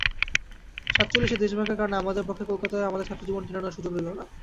সাতচল্লিশের দেশভাগের কারণে আমাদের পক্ষে কলকাতায় আমাদের ছাত্রজীবন টেনে নেওয়ার সুযোগ রইল না।